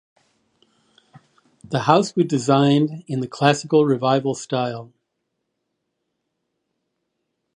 The house was designed in the Classical Revival style.